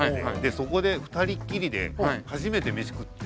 そこで二人きりで初めて飯食って。